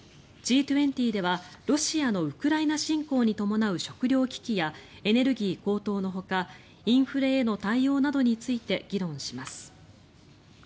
Ｇ２０ではロシアのウクライナ侵攻に伴う食料危機やエネルギー高騰のほかインフレへの対応などについて議論します。